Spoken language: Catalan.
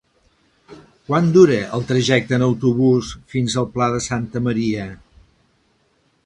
Quant dura el trajecte en autobús fins al Pla de Santa Maria?